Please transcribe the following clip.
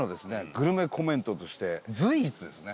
グルメコメントとして随一ですね。